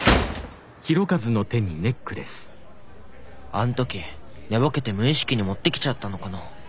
あん時寝ぼけて無意識に持ってきちゃったのかな。